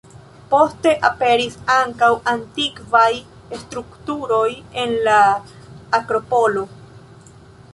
Poste, aperis ankaŭ antikvaj strukturoj en la akropolo.